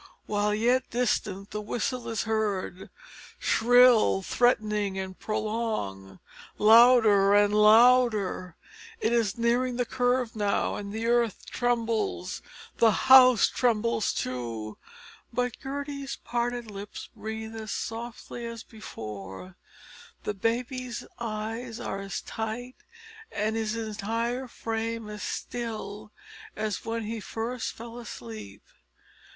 While yet distant the whistle is heard, shrill, threatening, and prolonged. Louder and louder; it is nearing the curve now and the earth trembles the house trembles too, but Gertie's parted lips breathe as softly as before; baby's eyes are as tight and his entire frame as still as when he first fell asleep.